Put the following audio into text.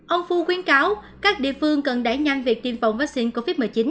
ông phu khuyến cáo các địa phương cần đẩy nhanh việc tiêm phòng vaccine covid một mươi chín